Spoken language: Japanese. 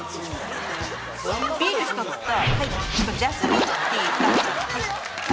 ビール１つとジャスミンティー２つ。